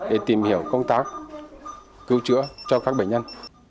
để tìm hiểu công tác cứu chữa cho các bệnh nhân